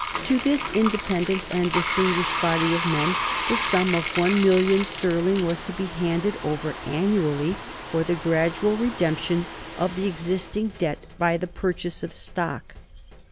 To this independent and distinguished body of men the sum of one million sterling was to be handed over annually for the gradual redemption of the existing debt by the purchase of stock.